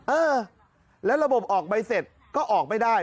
เออแล้วระบบออกใบเสร็จก็ออกไม่ได้